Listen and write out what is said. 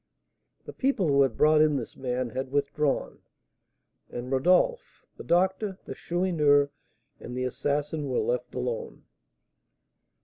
The people who had brought in this man had withdrawn, and Rodolph, the doctor, the Chourineur, and the assassin were left alone.